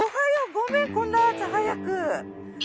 ごめんこんな朝早く。